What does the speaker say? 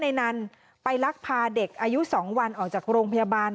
ในนั้นไปลักพาเด็กอายุ๒วันออกจากโรงพยาบาล